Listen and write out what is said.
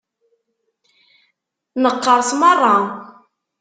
Neqqerṣ meṛṛa.